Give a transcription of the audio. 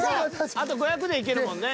あと５００でいけるもんね。